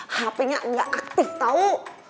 hp nya gak aktif tau